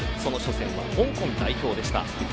その初戦は香港代表でした。